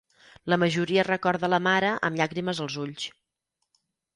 La majoria recorda la mare amb llàgrimes als ulls.